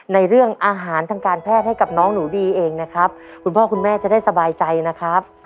ในเรื่องอาหารทางการแพทย์ให้กับน้องหนูดีเองนะครับคุณพ่อคุณแม่จะได้สบายใจนะครับ